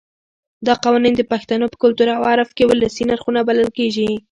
دا قوانین د پښتنو په کلتور او عرف کې ولسي نرخونه بلل کېږي.